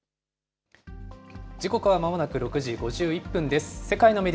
時刻はまもなく６時５１分です。